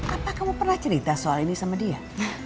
apa kamu pernah cerita soal ini sama dia